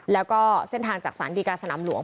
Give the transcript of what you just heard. แล้วก็เส้นทางจากสารดีการสนามหลวง